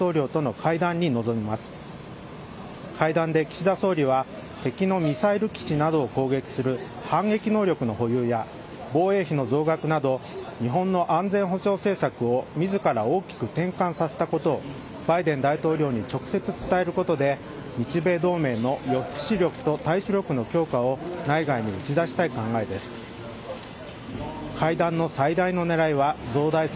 会談で岸田総理は敵のミサイル基地などを攻撃する反撃能力の保有や防衛費の増額など日本の安全保障政策を自ら大きく転換させたことをバイデン大統領に直接伝えることで日米同盟の抑止力と対処力の強化を内外に打ち出したい考えです。